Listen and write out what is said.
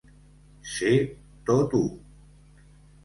Ser tot u.